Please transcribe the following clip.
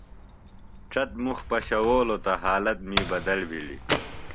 ڇت مُخ پشَؤولوۡ تہ حالت می بدل بِھلیۡ۔